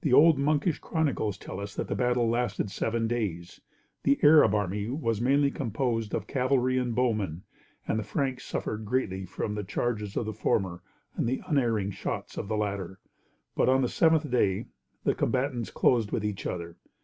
The old monkish chronicles tell us that the battle lasted seven days. The Arab army was mainly composed of cavalry and bowmen, and the Franks suffered greatly from the charges of the former and the unerring shots of the latter. But on the seventh day the combatants closed with each other.